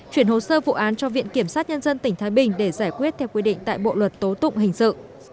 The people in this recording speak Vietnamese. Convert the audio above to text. chuyển hồ sơ vụ án cho viện kiểm sát nhân dân tỉnh thái bình để giải quyết theo quy định tại bộ luật tố tụng hình sự